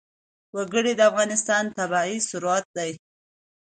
وګړي د افغانستان طبعي ثروت دی.